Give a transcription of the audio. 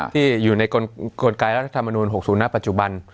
ที่อยู่ในกลไกรัฐธรรมนูล๖๐ณปัจจุบัน